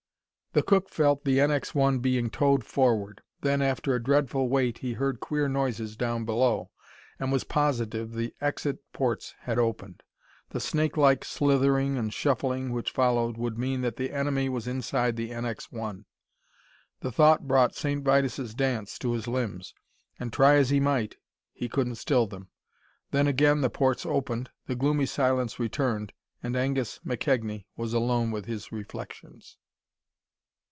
The cook felt the NX 1 being towed forward. Then, after a dreadful wait, he heard queer noises down below, and was positive the exit ports had opened. The snakelike slithering and shuffling which followed would mean that the enemy was inside the NX 1. The thought brought St. Vitus' dance to his limbs, and, try as he might, he couldn't still them. Then again the ports opened, the gloomy silence returned, and Angus McKegnie was alone with his reflections.